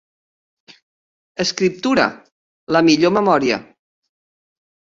Escriptura, la millor memòria.